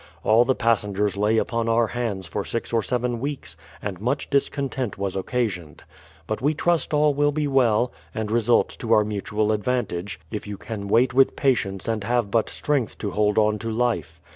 All the passengers lay upon our hands for six or seven weeks, and much discontent was occasioned. But we trust all will be well, and result to our mutual advantage, if you can wait with patience and have but strength to hold on to hfe.